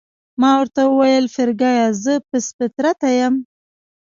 ما ورته وویل: فرګي، زه پست فطرته یم؟